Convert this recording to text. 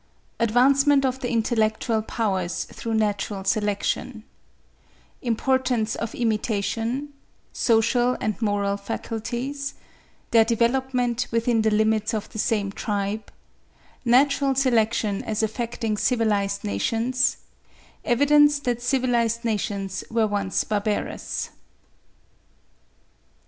Advancement of the intellectual powers through natural selection—Importance of imitation—Social and moral faculties—Their development within the limits of the same tribe—Natural selection as affecting civilised nations—Evidence that civilised nations were once barbarous.